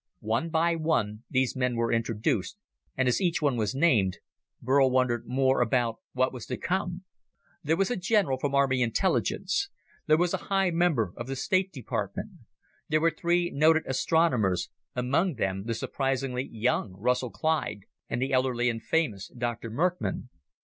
One by one, these men were introduced, and as each one was named, Burl wondered more about what was to come. There was a general from Army Intelligence. There was a high member of the State Department. There were three noted astronomers among them the surprisingly young Russell Clyde and the elderly and famous Dr. Merckmann.